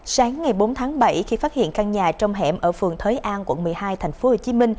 sáng ngày bốn tháng bảy khi phát hiện căn nhà trong hẻm ở phường thới an quận một mươi hai tp hcm